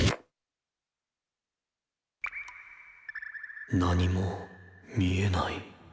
心の声何も見えない。